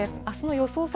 あすの予想